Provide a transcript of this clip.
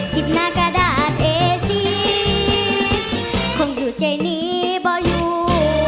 สิบหน้ากระดาษเอสีคงอยู่ใจนี้บ่อยู่